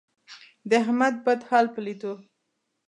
د احمد بد حال په لیدو،